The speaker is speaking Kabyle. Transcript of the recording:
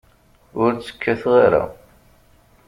Ur tt-kkateɣ ara.